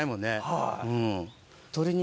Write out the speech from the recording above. はい。